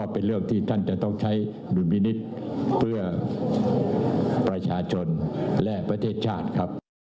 เพื่อประชาชนและประเทศชาติครับ